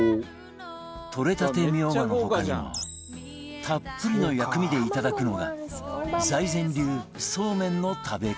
採れたてミョウガの他にもたっぷりの薬味でいただくのが財前流そうめんの食べ方